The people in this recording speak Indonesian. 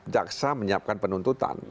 jaksa menyiapkan penuntutan